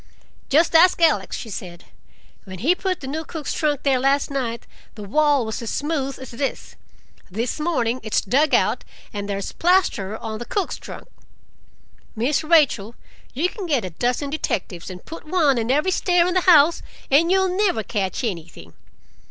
"Just ask Alex," she said. "When he put the new cook's trunk there last night the wall was as smooth as this. This morning it's dug out, and there's plaster on the cook's trunk. Miss Rachel, you can get a dozen detectives and put one on every stair in the house, and you'll never catch anything.